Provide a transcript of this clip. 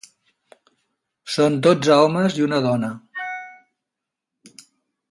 Són dotze homes i una dona.